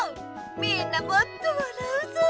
みんなもっと笑うぞ。